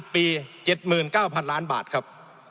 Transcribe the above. ปี๗๙๐๐ล้านบาทครับ